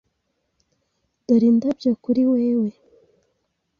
Dore indabyo kuri wewe